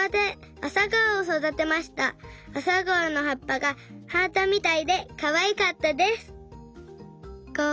あさがおのはっぱがハートみたいでかわいかったです。